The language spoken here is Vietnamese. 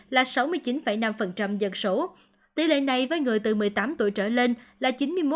là sáu mươi chín năm dân số tỷ lệ này với người từ một mươi tám tuổi trở lên là chín mươi một bốn mươi hai